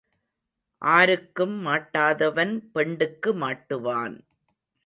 ஆருக்கும் மாட்டாதவன் பெண்டுக்கு மாட்டுவான்.